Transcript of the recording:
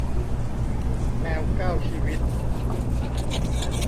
แมวเก้าชีวิต